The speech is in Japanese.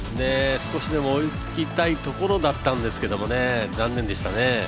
少しでも追いつきたいところだったんですけれどもね、残念でしたね。